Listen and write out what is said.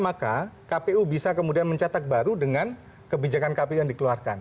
maka kpu bisa kemudian mencetak baru dengan kebijakan kpu yang dikeluarkan